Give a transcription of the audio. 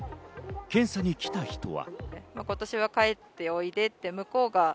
検査に来た人は。